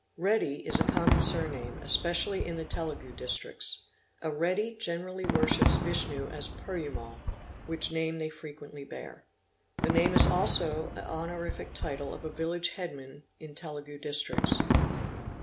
Reddy is a common surname, especially in the Telugu Districts. A Reddy generally worships Vishnu as Perumal (which name they frequently bear). The name is also a honorific title of a village headman in Telugu Districts.